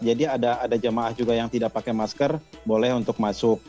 jadi ada jamaah juga yang tidak pakai masker boleh untuk masuk